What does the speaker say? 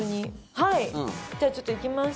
はい、じゃあちょっと行きます。